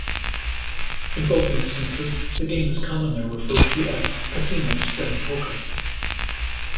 In both instances, the game is commonly referred to as "Casino Stud Poker".